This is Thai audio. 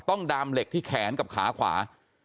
ดามเหล็กที่แขนกับขาขวา